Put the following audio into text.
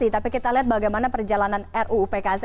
tapi kita lihat bagaimana perjalanan ruu pks